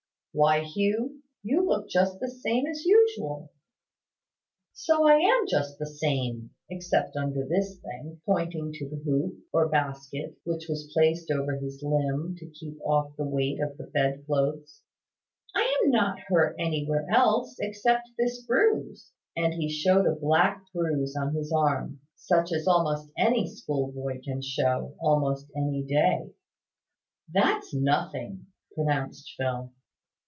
Why, Hugh, you look just the same as usual!" "So I am just the same, except under this thing," pointing to the hoop, or basket, which was placed over his limb, to keep off the weight of the bed clothes. "I am not hurt anywhere else, except this bruise;" and he showed a black bruise on his arm, such as almost any schoolboy can show, almost any day. "That's nothing," pronounced Phil.